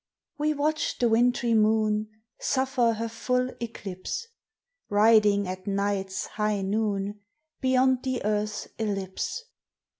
We watch'd the wintry moon Suffer her full eclipse Riding at night's high noon Beyond the earth's ellipse.